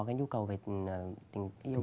cái nhu cầu về tình yêu